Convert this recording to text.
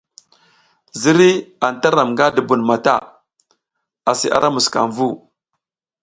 Ziriy anta ram nga dubun mata, asi ara muskamvu.